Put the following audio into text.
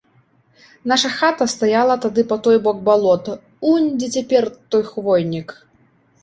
Наша хата стаяла тады па той бок балота, унь дзе цяпер той хвойнік.